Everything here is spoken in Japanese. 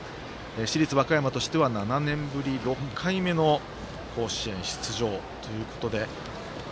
市立和歌山としては７年ぶり６回目の甲子園出場ということで。